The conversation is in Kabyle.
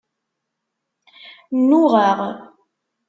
Nnuɣeɣ.